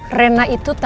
karena saya udah selesai